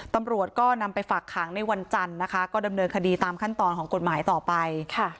ตำรวจก็นำไปฝากขังในวันจันทร์นะคะก็ดำเนินคดีตามขั้นตอนของกฎหมายต่อไป